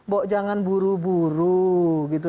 bok jangan buru buru gitu